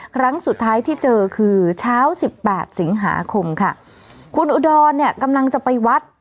ครั้งสุดท้ายที่เจอคือเช้าสิบแปดสิงหาคมค่ะคุณอุดรเนี่ยกำลังจะไปวัด